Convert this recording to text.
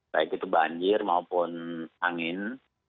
baik itu banjir maupun angin